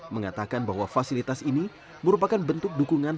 mengatakan bahwa fasilitas ini merupakan bentuk dukungan